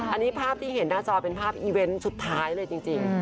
อันนี้ภาพที่เห็นหน้าจอเป็นภาพอีเวนต์สุดท้ายเลยจริง